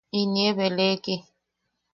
Inie beleeki.